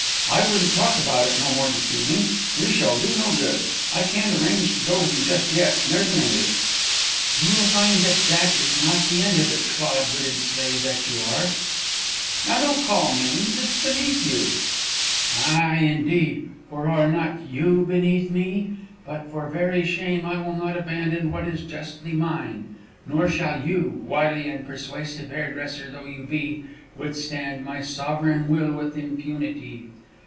"I wouldn't talk about it no more this evening; we shall do no good. I can't arrange to go with you just yet, and there's an end of it." "You will find that that is not the end of it, clod witted slave that you are!" "Now, don't call names; it's beneath you." "Ay, indeed! for are not you beneath me? But for very shame I will not abandon what is justly mine; nor shall you, wily and persuasive hairdresser though you be, withstand my sovereign will with impunity!"